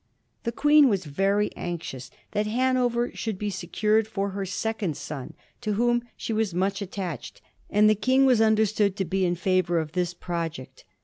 The Queen was very anxious that Hanover should be secured for her second son, to whom she was much attached, and the King was understood to be in favor of this project.